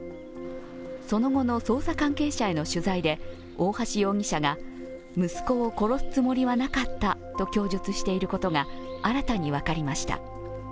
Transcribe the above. その後の捜査関係者への取材で大橋容疑者が、息子を殺すつもりはなかったと供述していることが新たに分かりました。